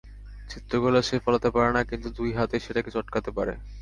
চিত্রকলা সে ফলাতে পারে না, কিন্তু দুই হাতে সেটাকে চটকাতে পারে।